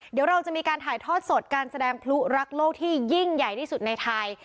เดี๋ยวเราจะมีการถ่ายทอดสดการแสดงพลุรักโลกที่ยิ่งใหญ่ที่สุดในไทย